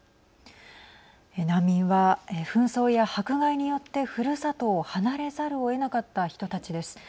難民は紛争や迫害によってふるさとを離れざるをえなかった人たちです。